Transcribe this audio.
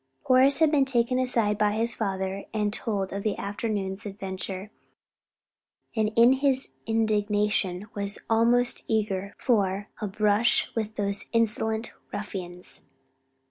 Horace had been taken aside by his father and told of the afternoon's adventure, and in his indignation was almost eager for "a brush with the insolent ruffians."